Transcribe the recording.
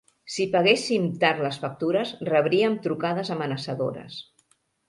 Si paguéssim tard les factures rebríem trucades amenaçadores.